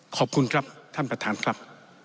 ขอบคุณครับท่านประธานครับ